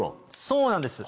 そうなんです